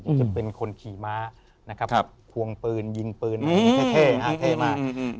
อยากจะเป็นคนขี่ม้าควงปืนยิงปืนแท่มาก